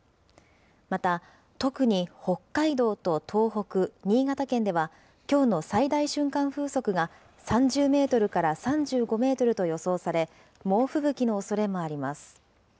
また、特に北海道と東北、新潟県では、きょうの最大瞬間風速が３０メートルから３５メートルと予想され、猛吹雪のおそれもあります。